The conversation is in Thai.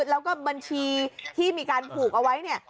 แล้วก็บัญชีที่มีการผูกเอาไว้เนี่ย